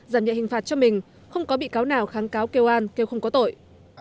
giảm nhẹ hình phạt cho mình không có bị cáo nào kháng cáo kêu an kêu không có tội